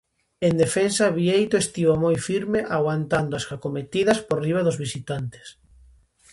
En defensa Bieito estivo moi firme aguantando as acometidas por riba dos visitantes.